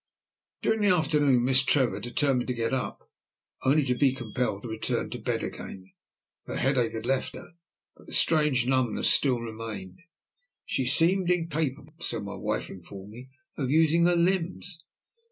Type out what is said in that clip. During the afternoon Miss Trevor determined to get up, only to be compelled to return to bed again. Her headache had left her, but the strange numbness still remained. She seemed incapable, so my wife informed me, of using her limbs.